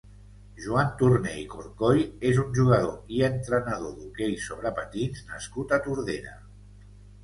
Joan Torner i Corcoy és un jugador i entrenador d'hoquei sobre patins nascut a Tordera.